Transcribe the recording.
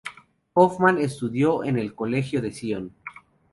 Hoffman estudió en el Colegio de Sion.